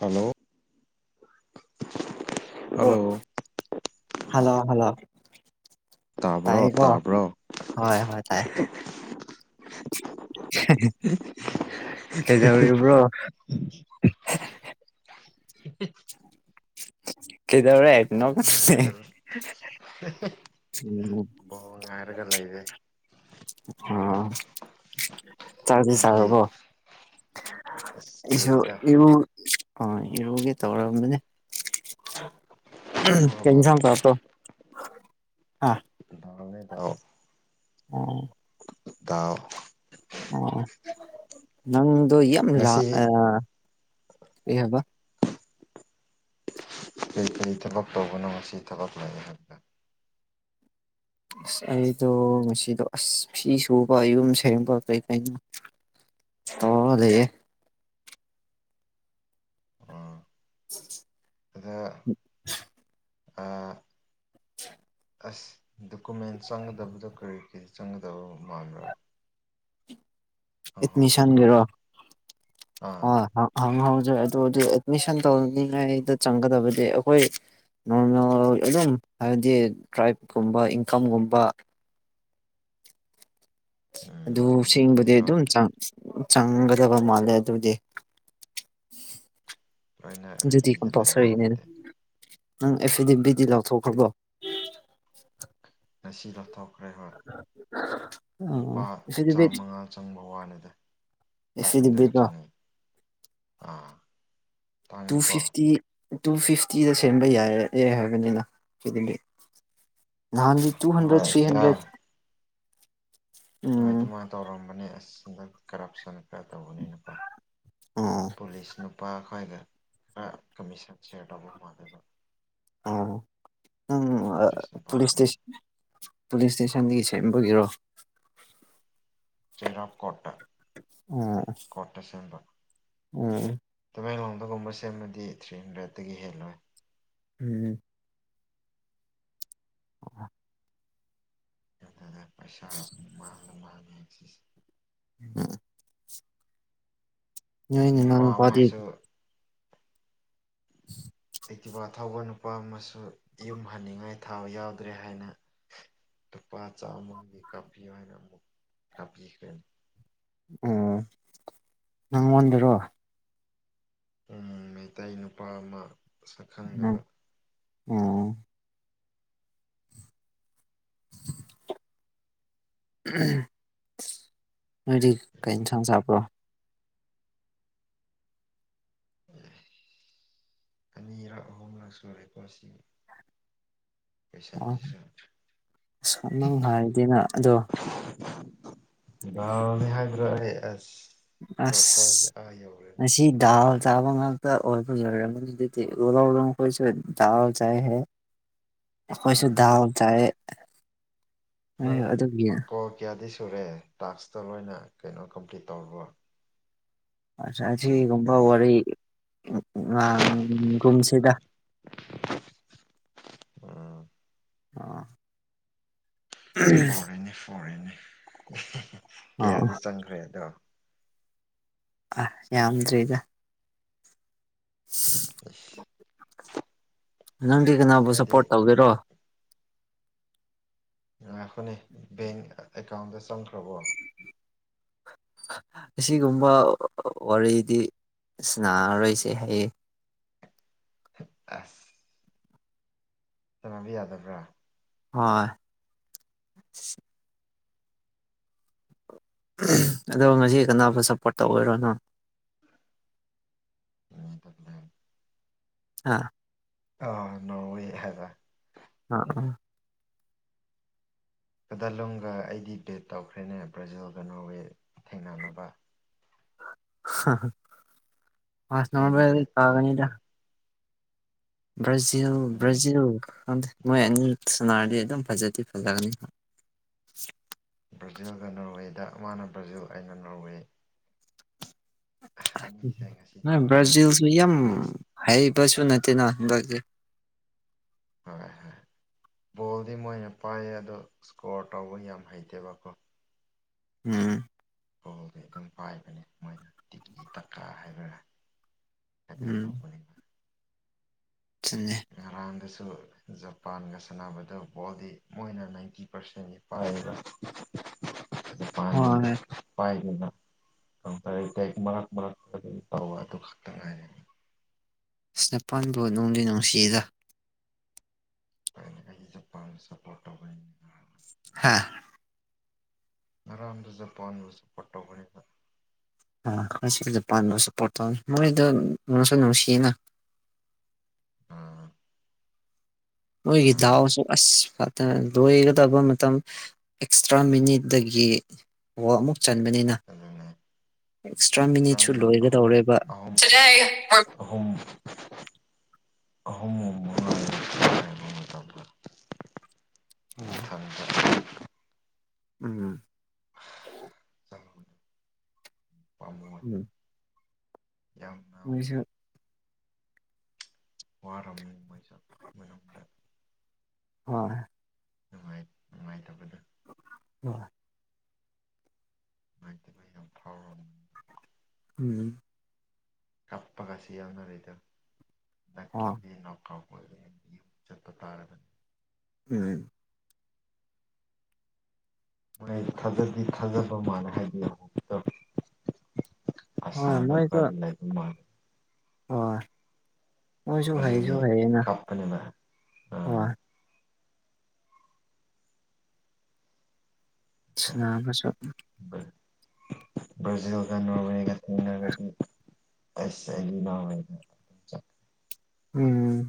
hello ꯑꯣ hello hello hello ꯇꯥꯏ ꯇꯥꯕ꯭ꯔꯣ ꯀꯣ ꯇꯥꯕ꯭ꯔꯣ ꯍꯣꯏ ꯍꯣꯏ ꯇꯥꯏ ꯀꯩꯗꯧꯔꯤꯕ꯭ꯔꯣ [inaudible] ꯀꯗꯔ ꯍꯥꯏꯠꯅꯦ ꯕꯣꯜ ꯎꯝ ꯉꯥꯏꯔꯒ ꯕꯣꯜ ꯉꯥꯏꯔꯒ ꯂꯩꯔꯦ [inaudible] ꯑ ꯆꯠꯁꯤ ꯅꯪꯗꯤ ꯁꯔꯔꯕꯣ ꯑꯁ ꯑꯩꯁꯨ ꯀꯨꯏꯔꯦꯗ ꯏꯔꯨ ꯑ ꯏꯔꯨꯒꯦ ꯇꯧꯔꯝꯕꯅꯦ ꯏꯔꯨꯔꯕꯣ ꯀꯩꯅꯁꯝ ꯇꯇꯣ ꯑ ꯑꯥꯎ ꯎꯝ ꯇ ꯑ ꯅꯪ ꯌꯥꯝ ꯉꯁꯤ ꯂꯕ ꯑꯩ ꯐ ꯏꯇ ꯐꯛ ꯇꯕꯅ ꯉꯁꯤ ꯏꯊ ꯐ ꯂꯦ ꯑꯁ ꯑꯩꯗꯣ ꯉꯁꯤꯗꯣ ꯑꯁ ꯐꯤ ꯁꯨꯕ ꯌꯨꯝ ꯁꯕ ꯀꯩꯀꯩꯅꯣ ꯑꯣ ꯑꯗꯦ ꯎꯝ ꯑꯗ ꯎꯝ ꯑꯥ [inaudible] ꯑꯁ ꯗꯣꯀꯨꯃꯦꯟ ꯆꯪꯒꯗꯕꯗꯣ ꯀꯔꯤ ꯀꯔꯤ ꯆꯪꯒꯗꯕ ꯃꯥꯟꯕ꯭ꯔꯥ ꯍꯪꯍꯧꯗ꯭ꯔꯦꯀꯣ ꯑꯦꯠꯃꯤꯁꯟꯒꯤꯦꯔꯣ ꯑꯥ ꯍ ꯍꯪ ꯍ ꯖꯣꯏ ꯑꯗꯨꯣ ꯑꯗꯨ ꯑꯦꯗꯃꯤꯁꯟ ꯇꯧꯅꯤꯡꯉꯥꯏꯗ ꯆꯪꯒꯗꯕꯗꯤ ꯑꯩꯈꯣꯏ ꯅꯣꯔꯃꯦꯜ ꯑꯗꯨꯝ ꯍꯥꯏꯕꯗꯤ ꯇ꯭ꯔꯥꯏꯞꯀꯨꯝꯕ ꯏꯟꯀꯝꯒꯨꯝꯕ ꯎꯝ ꯑꯗꯨ ꯑꯗꯨꯕꯨꯗꯤ ꯦꯡꯕꯗꯤ ꯂꯣꯏ ꯑꯗꯨꯝ ꯆꯥꯡ ꯆꯪꯒꯗꯕ ꯃꯥꯜꯂꯦ ꯑꯗꯨꯗꯤ ꯂꯣꯏꯅ ꯑꯗꯨꯗꯤ ꯏ ꯀ ꯔꯦꯗꯤꯗ ꯂꯩꯔꯦ ꯄꯁꯔ ꯅ ꯑꯗꯨꯗꯤ ꯅꯪ ꯑꯦꯗꯤ ꯕꯤꯗꯤ ꯂꯥꯎꯊꯣꯛꯈ꯭ꯔꯕꯣ ꯉꯁꯤꯔꯣ ꯂꯨꯄꯥ ꯑ ꯁꯤꯗꯨ ꯆꯥꯝꯃꯉꯥ ꯆꯪꯕ ꯋꯥꯅꯤꯗ ꯐꯥꯏꯚ ꯍꯟꯗ꯭ꯔꯦꯠ ꯆꯉ ꯑꯥ ꯇꯨ ꯇꯥꯡꯉꯦꯀꯣ ꯐꯤꯐꯇꯤ ꯇꯨ ꯐꯤꯐꯇꯤꯗ ꯁꯦꯝꯕ ꯌꯥꯏ ꯑꯦ ꯍꯥꯏꯕꯅꯤꯅ ꯁꯤꯗꯤ ꯅꯍꯥꯟꯒꯤ ꯇꯨ ꯍꯟꯗ꯭ꯔꯦꯠ ꯍꯣꯏ ꯊ꯭ꯔꯤ ꯌꯥ ꯍꯟꯗ꯭ꯔꯦꯠ ꯍꯣꯏ ꯎꯝ ꯑꯗꯨꯃꯥꯏꯅ ꯇꯧꯔꯝꯕꯅꯦ ꯑꯁ ꯍꯟꯗꯛ ꯀꯔꯞꯁꯟ ꯈꯔ ꯇꯧꯕꯅꯤꯅꯀꯣ ꯑꯣ ꯄꯨꯂꯤꯁ ꯅꯨꯄꯥ ꯈ꯭ꯋꯥꯏꯒ ꯈꯔ ꯀꯃꯤꯁꯟ ꯁꯤꯌꯥꯔ ꯇꯧꯕ ꯃꯥꯂꯣꯏꯕ ꯑ ꯎꯝ ꯄꯨꯂꯤꯁ ꯏꯁꯇ ꯄꯨꯂꯤꯁ ꯏꯁꯇꯦꯁꯟ ꯁꯦꯝꯕꯒꯤꯔꯣ ꯆꯦꯔꯀꯣꯇ ꯀꯇ ꯁꯤꯦꯕ ꯎ ꯇꯃꯦꯡꯂꯣꯡꯗꯒꯨꯝꯕ ꯁꯦꯝꯃꯗꯤ ꯊ꯭ꯔꯤ ꯍꯟꯗ꯭ꯔꯦꯗꯠꯇꯒꯤ ꯍꯦꯜꯂꯣꯏ ꯎꯝ ꯎ ꯑꯗꯨ ꯄꯩꯁꯥ ꯃꯥꯥꯡꯂ ꯃꯥꯉꯁꯤ ꯎ ꯅ ꯑꯁ ꯅ ꯅꯨꯄꯥ ꯅ ꯐꯥꯗꯤ ꯑꯃꯁꯨ [inaudible] ꯑꯩꯇꯤꯕꯥ ꯊꯧꯕ ꯅꯨꯄꯥ ꯑꯃꯁꯨ ꯌꯨꯝ ꯍꯟꯅꯤꯡꯉꯥꯏ ꯊꯥꯕ ꯌꯥꯎꯗ꯭ꯔꯦ ꯍꯥꯏꯅ ꯄꯥ ꯆ ꯑꯃꯒꯤ ꯀꯄꯤꯤ ꯍꯥꯏꯅ ꯑꯃꯛ ꯀꯄꯤꯦ ꯑꯣ ꯅꯪꯉꯣꯟꯗꯔꯣ ꯎꯪ ꯃꯩꯇꯩ ꯅꯨꯄꯥ ꯑꯃ ꯁꯛꯈꯪꯗꯕ ꯎꯝ [inaudible] ꯅꯣꯏꯗꯤ ꯀ ꯊꯥꯡ ꯆꯕ꯭ꯔꯣ ꯑꯦ ꯑꯅꯤꯔꯛ ꯑꯍꯨꯝꯂꯛ ꯁꯨꯔꯦꯀꯣ ꯁꯤ ꯑꯣ ꯀꯣꯏꯁꯟꯁꯤꯁꯨ ꯑꯁ ꯅ ꯍꯥꯏꯗꯦꯅ ꯑꯗꯣ ꯑ ꯃꯤ ꯍꯥꯏꯒ꯭ꯔ ꯍꯁ ꯑꯁ ꯃꯁꯤꯁꯤ ꯗꯜ ꯆꯥꯕ ꯉꯗ ꯑꯣꯏ ꯎꯂꯣꯡ ꯑꯣꯂꯣꯡ ꯀꯁ ꯆꯥꯎ ꯆꯥꯏꯍꯦ ꯑꯩꯈꯣꯏꯁꯨ ꯎꯝ ꯝ ꯇꯥꯏꯦ ꯅꯪ ꯀ ꯀꯦꯗ ꯁꯨꯔꯦ ꯇꯥꯛꯁꯇ ꯂꯣꯏꯅ ꯀꯩꯅꯣ ꯀꯝꯄ꯭ꯂꯤꯠ ꯇꯧꯔꯕꯣ ꯆꯥꯆꯤ ꯀꯨꯝꯕ ꯋꯥꯔ ꯑ ꯀꯨꯝꯁꯤꯗ [inaudible] ꯑ ꯐꯣꯔꯦꯅꯦ ꯐꯣꯔꯦꯅꯦ ꯑꯣ ꯀꯌꯥꯗꯤ ꯆꯪꯈ꯭ꯔꯦ ꯑꯗꯣ ꯑ ꯌꯥꯝꯗ꯭ꯔꯤꯗ ꯑ ꯅꯪꯗꯤ ꯀꯅꯥꯕꯨ ꯍꯥꯏꯗꯤ ꯁꯞꯄꯣꯔꯠ ꯇꯧꯒꯦꯔꯣ ꯉꯥꯏꯈꯣꯅꯦ ꯕꯦꯡ ꯑꯦꯀꯥꯎꯟꯗ ꯆꯪꯈ꯭ꯔꯕꯣ ꯑꯁꯤꯒꯨꯝꯕ ꯋꯥꯔꯤꯗꯤ ꯁ ꯔꯔꯣꯏꯁꯦ ꯍꯥꯏꯌꯦ [inaudible] ꯁꯅꯕ ꯌꯥꯗꯕ꯭ꯔꯥ ꯍꯣꯏ ꯑꯗꯣ ꯉꯁꯤ ꯀꯅꯥꯕꯨ ꯁꯞꯄꯣꯔꯠ ꯇꯧꯕ ꯑꯣꯏꯔꯣꯅꯣ ꯑꯥ ꯑ ꯅꯦ ꯍꯖꯔ ꯑ ꯎꯝ ꯈꯨꯗꯂꯨꯝꯒ ꯑꯩꯗꯤ ꯕꯦꯠ ꯇꯧꯈ꯭ꯔꯦꯅꯦ ꯕ꯭ꯔꯥꯖꯤꯜꯒ ꯅꯣꯔꯋꯦ ꯊꯦꯡꯅꯅꯕ ꯊ꯭ꯔꯤ ꯃꯥꯁꯅ ꯍꯟꯗ꯭ꯔꯦꯠ ꯊ꯭ꯔꯤ ꯀꯥꯒꯅꯤꯗ ꯍꯟꯗ꯭ꯔꯦꯠ ꯭ꯔꯖꯤꯜ ꯑꯗꯨꯅꯤ ꯭ꯔꯖꯤꯜ ꯃꯣꯏ ꯁꯨꯅꯔꯗꯤ ꯑꯗꯨꯝ ꯐꯖꯗꯦ ꯐꯖꯒꯅꯤ ꯕ꯭ꯔꯥꯖꯤꯜꯒ ꯅꯣꯔꯋꯦꯗ ꯃꯥꯅ ꯕ꯭ꯔꯥꯖꯤꯜ ꯑꯩꯅ ꯅꯣꯔꯋꯦ ꯑꯅꯤꯁꯦ ꯉꯁꯤ ꯕ꯭ꯔꯥꯖꯤꯜꯁꯨ ꯌꯥꯝ ꯅꯦꯛꯁ ꯍꯥꯏꯕꯁꯨ ꯅꯠꯇꯦꯅ ꯕ꯭ꯔꯥꯖꯤꯜ ꯍꯣꯏ ꯍꯣꯏ ꯕꯣꯜꯗꯤ ꯃꯣꯏꯅ ꯄꯥꯏꯌꯦ ꯑꯗꯣ ꯏꯁꯀꯣꯔ ꯇꯧꯕ ꯌꯥꯝ ꯍꯩꯇꯦꯕꯀꯣ ꯎꯝ ꯀꯣꯜꯗꯤ ꯑꯗꯨꯝ ꯄꯥꯏꯕꯅꯤ ꯃꯣꯏꯅ ꯇꯤꯀꯤ ꯇꯛꯀꯥ ꯍꯥꯏꯕꯅꯥ ꯑꯗꯨ ꯎꯝ ꯀꯄꯅꯤ ꯆꯨꯝꯃꯦ ꯑꯩꯗꯁꯨ ꯖꯄꯥꯟꯒ ꯁꯥꯟꯅꯕꯗ ꯕꯣꯜꯗꯤ ꯃꯣꯏꯅ ꯅꯥꯏꯟꯇꯤ ꯄꯥꯔꯁꯦꯟꯅꯤ ꯄꯥꯏꯌꯦꯕ ꯄꯅꯤ ꯍꯣꯏ ꯄꯥꯏ ꯀꯝꯔ ꯃꯔꯔꯛ ꯃꯔꯔꯛ ꯇ ꯑꯗꯨ ꯐ ꯅꯄꯥꯟꯕꯨ ꯅꯅꯨꯡꯖ ꯅꯨꯡꯁꯤꯗ ꯖꯥꯟ ꯁꯄꯣꯔ ꯇꯧꯕ ꯍꯥꯥ ꯉꯔꯥꯡꯗ ꯖꯄꯥꯟꯕꯨ ꯁꯞꯄꯣꯔꯠ ꯇꯧꯕꯅꯤꯅ ꯑ ꯀꯁꯨꯗ ꯄꯥꯁꯨꯄꯣ ꯇꯧꯅꯤ ꯃꯣꯏꯗ ꯅꯁꯨ ꯅꯨꯡꯁꯤꯌꯦꯅ [inaudible] ꯃꯥꯅꯦ ꯑꯣꯏꯣꯏꯒꯤꯗꯑꯣꯁꯨ ꯑꯁ ꯂꯣꯏꯒꯗꯕ ꯃꯇꯝ ꯑꯦꯛꯁꯇ꯭ꯔꯥ ꯃꯤꯅꯤꯠꯇꯒꯤꯨ ꯆꯟꯕꯅꯤꯅ ꯑꯗꯨꯅꯦ ꯑꯦꯛꯁꯇ꯭ꯔꯥ ꯃꯤꯅꯤꯠꯁꯨ ꯇꯔꯥꯃꯤꯅꯤꯠ ꯑꯍꯨꯝ ꯂꯣꯏꯒꯗꯧꯔꯦꯕ ꯑꯍꯨꯝ ꯍ ꯊꯃꯦ ꯎꯝ ꯊ ꯎꯝ ꯆꯪꯕꯗꯨ ꯄꯥꯝꯃꯨꯏ ꯎꯝ ꯌꯥꯝꯅ ꯃꯁꯨ ꯋꯥꯔꯝꯃꯤ ꯃꯩꯁ ꯃꯌꯥꯝꯗ ꯍꯣꯏ ꯅꯨꯡꯉꯥꯏ ꯅꯨꯡꯉꯥꯏꯇꯕꯗ ꯑ ꯥꯏꯗꯤ ꯃꯥꯏ ꯌꯥꯝ ꯐꯥꯎꯔ ꯎꯝ ꯀꯄ ꯀꯁꯤꯅꯔꯤꯗ ꯑ ꯍꯨꯝ ꯆꯠꯄ ꯇꯥꯔꯒꯅꯤ ꯎꯝ ꯃꯥꯏ ꯊꯥꯖꯗꯤ ꯊꯥꯖꯕ ꯃꯥꯂ ꯍꯥꯏꯗꯤꯛꯇ ꯍꯣꯏ ꯃꯣꯏꯁꯨ ꯑꯁꯂꯔ ꯍꯣꯏ ꯃꯣꯏꯁꯨ ꯑꯗꯨꯒꯤ ꯍꯩꯁꯨ ꯍꯩꯩꯅ ꯀꯥꯞꯄꯅꯦꯕ ꯑꯥ ꯍꯣꯏ ꯁꯅꯥꯁ ꯕ꯭ꯔꯖꯤꯜꯒ ꯅꯣꯔꯃꯦꯦ ꯑ ꯑꯁ ꯏ ꯎꯝ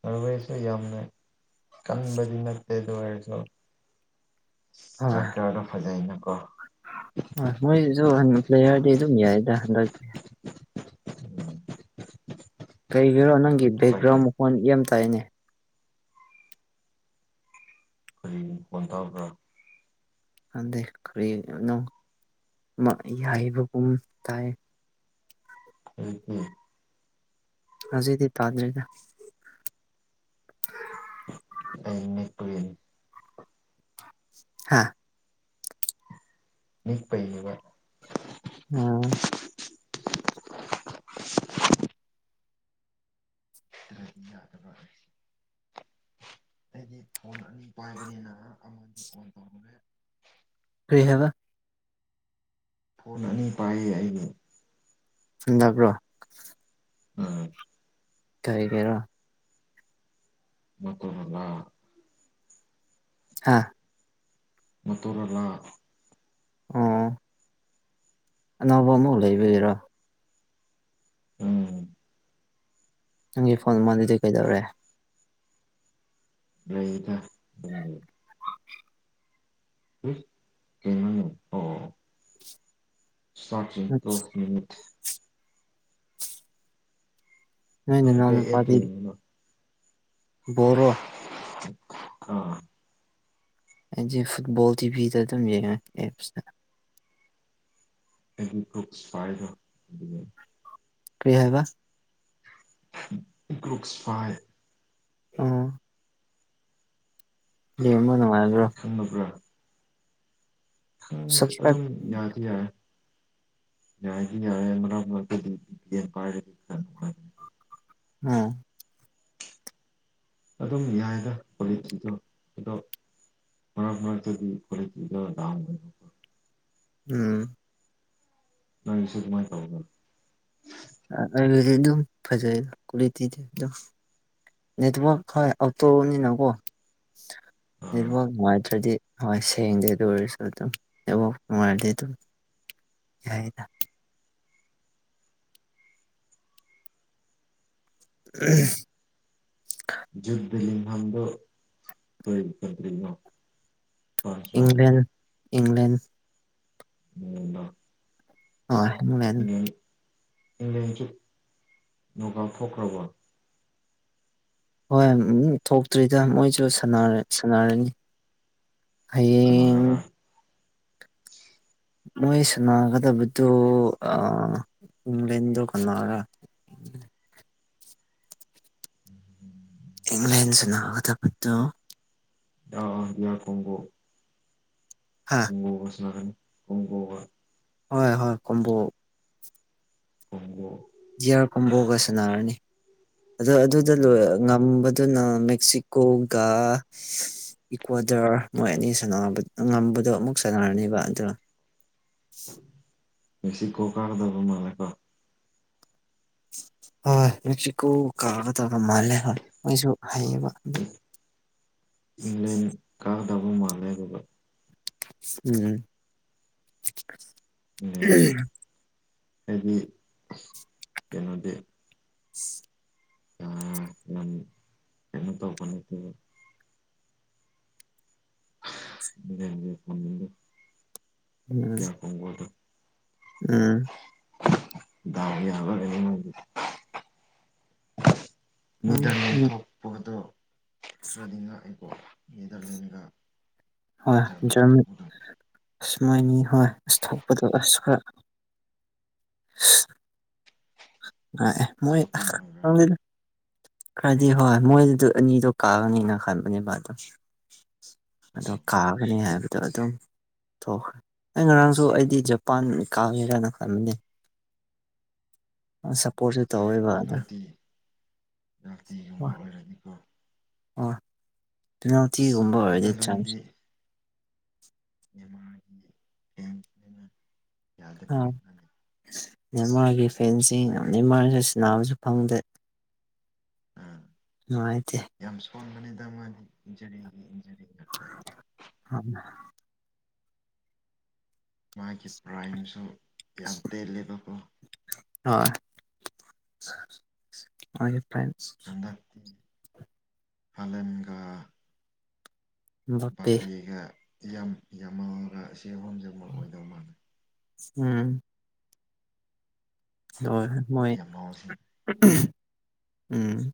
ꯃꯔꯣꯏꯁꯨ ꯌꯥꯝꯃꯦ ꯀꯟꯕꯗꯤ ꯅꯠꯇꯦꯗ ꯑꯣꯏꯔꯁꯨ ꯍꯣꯏ ꯇ꯭ꯔꯥꯏꯀꯔꯗꯣ ꯐꯖꯩꯅꯀꯣ ꯍꯣꯏ ꯃꯣꯏꯁꯤꯁꯨ ꯄ꯭ꯂꯦꯌꯔꯗꯤ ꯑꯗꯨꯝ ꯌꯥꯏꯗ ꯍꯟꯗꯛꯦ ꯀꯔꯤꯒꯤꯔꯣ ꯅꯪꯒꯤ ꯕꯦꯛꯒ꯭ꯔꯥꯎꯟ ꯁꯇ꯭ꯔꯥꯏꯀꯔ ꯃꯈꯣꯟ ꯏꯦꯝ ꯇꯥꯏꯅꯦ ꯇꯕ꯭ꯔ ꯍꯗꯩ ꯀꯔꯤꯅꯣ ꯌꯥꯏꯕꯒꯨꯝ ꯇꯥꯏ ꯎꯝ ꯎꯝ ꯍꯧꯖꯤꯗꯤ ꯄꯥꯗ꯭ꯔꯔꯤꯗ ꯄ ꯍꯥꯥ ꯅꯤꯈ ꯄꯩꯌꯦꯕ ꯎꯝ ꯅꯠꯇ꯭ꯔꯗꯤ ꯌꯥꯗꯕ ꯑꯩꯗꯤ ꯐꯣꯟ ꯑꯅꯤ ꯄꯥꯏꯕꯅꯤꯅ ꯐ ꯇꯧꯦ ꯐ ꯍꯥꯏꯅ ꯐꯣꯟ ꯑꯅꯤ ꯄꯥꯏꯌꯦ ꯑꯩꯕꯨ ꯆꯗꯕ꯭ꯔꯣ ꯎꯝ ꯊꯔ ꯀꯦꯔ ꯃꯣꯇꯣꯔꯣꯂꯥ ꯍꯥꯥ ꯃꯨꯔꯂ ꯑꯥ ꯑꯅꯧꯕ ꯑꯃꯐꯥꯎ ꯂꯩꯕꯔꯣ ꯎꯝ ꯅꯪꯒꯤ ꯐꯣꯟ ꯃꯥ ꯑꯗꯨꯗꯤ ꯀꯩꯗꯧꯔꯦ ꯀꯩꯗ ꯎꯏ ꯀꯩꯅꯣꯅꯦ ꯁꯥꯆꯤꯟ ꯇꯣ ꯃꯤꯠ ꯅ ꯅ ꯅꯪ ꯅꯅ ꯀꯩ ꯑꯦꯞꯇ ꯄꯊ ꯌꯦꯡꯉꯤꯅꯣ ꯣꯔ ꯑ ꯑꯩꯗꯤꯦ ꯐꯨꯠꯕꯣꯜ ꯇꯤꯚꯤꯗ ꯑꯗꯨꯝ ꯌꯦꯡꯉ ꯑꯦꯞꯁꯇ ꯑꯗꯨꯗꯤ ꯈ ꯁꯄꯥꯏꯗ ꯀ꯭ꯔꯤꯌꯥꯕ ꯒ꯭ꯔꯨꯛꯁ ꯐꯥꯏ ꯎꯝ ꯑꯦꯃꯣꯅꯅꯨꯡꯉꯥꯏꯜ꯭ꯔꯣ ꯎꯝ ꯁꯞꯁꯀ꯭ꯔꯥꯏꯞ ꯑꯗꯨꯝ ꯌꯥꯗꯤ ꯌꯥꯏꯦ ꯌꯥ ꯌꯥ ꯃꯛꯇ ꯄ ꯎꯝ ꯑꯗꯨꯝ ꯌꯥꯏꯗ ꯀꯣꯂꯤꯁꯤꯤꯗ ꯑꯗꯣ ꯃꯅ ꯐꯅ ꯑꯗꯨ ꯐ ꯂ ꯑꯣꯏ ꯎꯝ ꯅꯣꯏꯁꯨ ꯇꯃꯥꯏ ꯊꯕꯒ ꯑꯩꯗꯤ ꯑꯗꯨꯝ ꯐꯖꯩ ꯀ꯭ꯋꯥꯂꯤꯇꯤꯗꯤ ꯅꯦꯠꯋꯥꯛꯛ ꯈ ꯑꯇꯣꯛꯅꯤꯅꯀꯣ ꯑꯥ ꯅꯦꯠꯋꯛ ꯅꯨꯡꯉꯥꯏꯇ꯭ꯔꯗꯤ ꯍꯣꯏ ꯁꯗꯤꯗꯧꯔꯁ ꯑꯗꯨꯝꯕꯥꯏꯗꯤ ꯑꯗꯨ ꯌꯥꯥꯏꯗ ꯎ ꯌꯨꯙ ꯂꯤꯍꯝꯗ ꯀꯀꯗꯔꯤꯉꯣ ꯏꯪꯂꯪꯂꯦꯟ ꯏꯪꯂꯪꯂꯦꯟ ꯎꯝ ꯑꯣ ꯏꯪꯂꯦꯟꯁꯨ ꯅꯣꯒꯥ ꯊꯣꯛꯈ꯭ꯔꯕ ꯍꯣꯏ ꯎ ꯊꯣꯛꯇ꯭ꯔꯤꯗ ꯃꯣꯏꯁꯨ ꯁꯥꯟꯅꯔꯅꯤ ꯍꯌꯦꯡ ꯀꯅꯥꯒꯔꯥ [inaudible] ꯃꯣꯏ ꯁꯥꯟꯅꯒꯗꯕꯗꯨ ꯏꯪꯂꯦꯟꯗꯣ ꯀꯟꯅꯒ [inaudible] ꯎꯝ ꯏꯪ꯭ꯂꯦꯟꯁꯅꯅꯕ ꯇꯕꯨꯠꯇꯣ ꯑ ꯑ ꯏꯔ ꯀꯣꯡ ꯀꯣ ꯍꯥ ꯀꯨꯝꯒꯣꯕ ꯁꯅꯔꯟ ꯀꯨꯝꯒꯣꯕ ꯍꯣꯏ ꯍꯣꯏ ꯀꯝꯝꯕꯣ ꯑꯣ ꯖꯤꯌꯥꯔ ꯀꯣꯕꯣꯒ ꯁꯅꯔꯅꯤ ꯑꯗꯣ ꯑꯗꯨꯗ ꯂꯣꯏ ꯉ ꯑꯗꯨꯅ ꯃꯦꯛꯁꯤꯀꯣꯒꯒꯥ ꯏꯀ꯭ꯋꯥꯗꯔ ꯃꯣꯏ ꯑꯅꯤ ꯁ ꯉꯝꯕ ꯃꯗꯣ ꯑꯃꯨꯛ ꯁꯥꯟꯅꯔꯅꯦꯕ ꯑꯗꯨꯅ ꯃꯦꯁꯤꯀꯣ ꯀꯔꯗꯧꯕ ꯃꯥꯂ ꯀꯣ ꯍꯣꯏ ꯍꯧ ꯀ ꯀꯒꯗꯕ ꯃꯥꯂꯦ ꯍꯣꯏꯁꯨ ꯍꯥꯏꯌꯦꯕ ꯏꯪꯂꯦꯟ ꯀꯥꯒꯗꯕ ꯃꯥꯜꯂꯦ ꯑꯗꯨꯒ ꯎꯝ ꯎꯁꯨ ꯍꯥꯏꯗꯤ ꯀꯩꯅꯣꯗꯤ [inaudible] ꯑ ꯃ ꯇ ꯏ ꯐ ꯎꯝ ꯌꯦ ꯐꯣꯗ ꯎꯝ ꯕ ꯈꯪꯗꯦ ꯃꯤꯗꯥꯟ ꯎꯝ ꯊꯣꯛꯣꯛꯄꯗꯣ ꯈꯔꯗꯤ ꯉꯥꯛꯑꯦꯀꯣ ꯅꯦꯗꯔꯂꯦꯟꯒ ꯀ ꯆꯂꯔ ꯊꯅ ꯁꯨꯃꯥꯏꯅꯤ ꯍꯣꯏ ꯑꯄꯗ ꯑꯁ ꯈ ꯑ ꯑꯦ ꯃꯣꯏ ꯁꯣꯛꯀꯤꯡ ꯑꯣꯏꯕ꯭ꯔꯥ ꯈꯔꯗꯤ ꯍꯣꯏ ꯃꯣꯏꯗꯨꯗ ꯑꯅꯤꯗꯣ ꯀꯥꯑꯅꯤꯅ ꯈꯟꯕꯅꯦꯕꯗꯣ ꯑꯗꯣ ꯀꯥꯒꯅꯤ ꯍꯥꯏꯕꯗꯣ ꯑꯗꯨꯝ ꯊꯣꯛꯈ꯭ꯔꯦ ꯑꯩ ꯉꯔꯥꯡꯁꯨ ꯑꯩꯗꯤ ꯖꯄꯥꯟ ꯀꯥꯒꯔꯅ ꯈꯟꯕꯅꯤ [unintelligible] ꯇꯧꯋꯦꯕ ꯑꯗ ꯄꯦꯅꯥꯜꯇꯤ ꯄꯦꯅꯥꯜꯇꯤꯒꯨꯝꯕ ꯑꯣꯏꯔꯅꯤꯀꯣ ꯑꯣ ꯇꯅ ꯊꯤ ꯍꯨꯝꯕ ꯍꯥꯏꯗꯤ ꯆ ꯊ ꯑꯥ ꯅꯦꯟꯃꯥꯔꯒꯤ ꯐꯦꯟꯁꯤꯡ ꯌꯥꯝ ꯅꯦꯦꯟꯃꯥꯔꯁꯨ ꯁꯕꯁꯨ ꯐꯪꯗꯦ ꯅꯨꯡꯉꯥꯏꯇꯦ ꯐꯣꯟꯕꯅꯤꯗ ꯃꯥ ꯍ ꯃꯥꯒꯤ ꯄ꯭ꯔꯥꯏꯝꯁꯨ ꯌꯥꯝ ꯇꯦꯜꯂꯦꯕꯀꯣ ꯍꯣꯏ ꯐ ꯐꯂꯒꯥ ꯕꯄꯦ ꯕꯥꯄꯦꯒ ꯌꯥꯝꯃꯥꯒ ꯁꯤꯍꯨꯝꯖꯕ ꯑꯣꯏꯗꯧ ꯃꯥꯥꯟꯂꯩ ꯎꯝ ꯍ ꯃꯣꯏ ꯌꯥꯝꯃꯜꯁꯤ ꯎꯝ